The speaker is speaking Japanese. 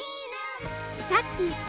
さっきす